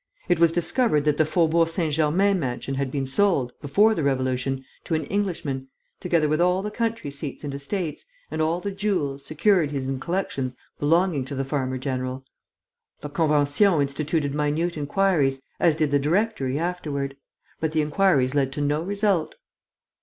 It was discovered that the Faubourg Saint Germain mansion had been sold, before the Revolution, to an Englishman, together with all the country seats and estates and all the jewels, securities and collections belonging to the farmer general. The Convention instituted minute inquiries, as did the Directory afterward. But the inquiries led to no result."